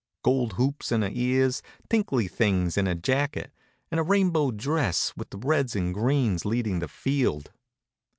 Gold hoops in her ears, tinkly things on her jacket, and a rainbow dress with the reds and greens leading the field.